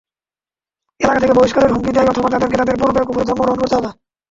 এলাকা থেকে বহিষ্কারের হুমকি দেয় অথবা তাদেরকে তাদের পূর্বের কুফরী ধর্ম গ্রহণ করতে হবে।